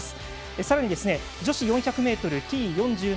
さらに女子４００ｍＴ４７